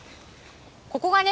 ここがね